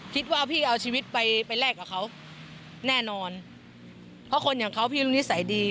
พี่เอาชีวิตไปไปแลกกับเขาแน่นอนเพราะคนอย่างเขาพี่รู้นิสัยดี